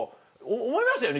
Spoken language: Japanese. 思いましたよね？